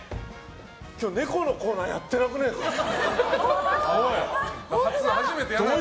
今日ネコのコーナーやってなくない？